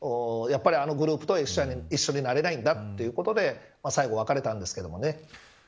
やっぱりあのグループと一緒になれないんだということで最後、別れたんですけどね。